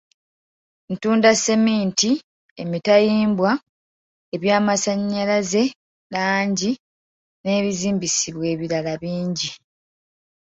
Ntunda sseminti, emitayimbwa, ebyamasannyalaze, langi n'ebizimbisibwa ebirala bingi.